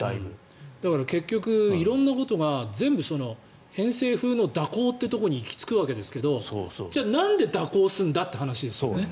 だから結局色んなことが全部偏西風の蛇行に行き着くわけですけどじゃあ、なんで蛇行すんだって話ですよね。